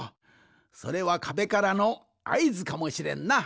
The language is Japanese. それはかべからのあいずかもしれんな。